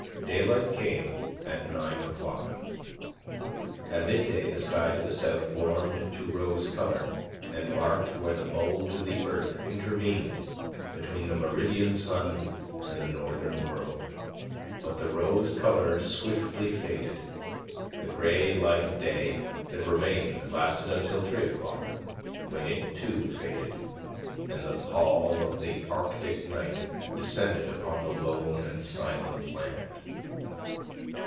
Daylight came at nine o'clock. At midday the sky to the south warmed to rose colour, and marked where the bulge of the earth intervened between the meridian sun and the northern world. But the rose colour swiftly faded. The grey light of day that remained lasted until three o'clock, when it, too, faded, and the pall of the Arctic night descended upon the lone and silent land.